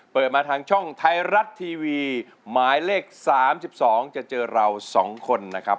เปิดมาทางช่องไทยรัฐทีวีหมายเลข๓๒จะเจอเรา๒คนนะครับ